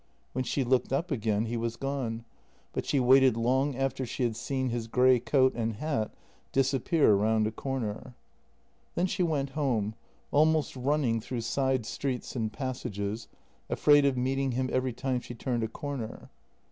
When she looked up again he was gone, but she waited long after she had seen his grey coat and hat disappear round a comer. Then she went home, almost running through side streets and passages, afraid of meeting him every time she turned a corner.